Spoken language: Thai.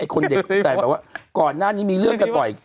คนเด็กแต่แบบว่าก่อนหน้านี้มีเรื่องกันบ่อย